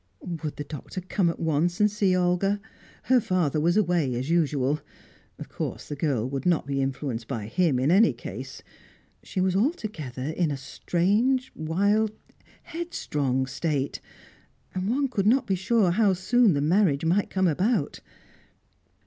Would the Doctor come at once and see Olga? Her father was away, as usual; of course the girl would not be influenced by him, in any case; she was altogether in a strange, wild, headstrong state, and one could not be sure how soon the marriage might come about.